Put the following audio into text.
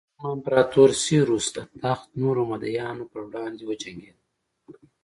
درېیم امپراتور سېوروس د تخت نورو مدعیانو پر وړاندې وجنګېد